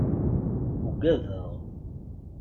Uggadeɣ.